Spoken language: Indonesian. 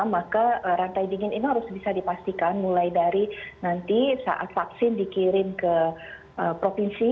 maka rantai dingin ini harus bisa dipastikan mulai dari nanti saat vaksin dikirim ke provinsi